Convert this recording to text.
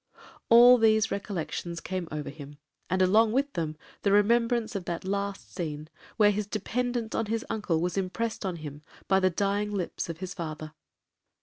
All these recollections came over him, and along with them the remembrance of that last scene, where his dependence on his uncle was impressed on him by the dying lips of his father.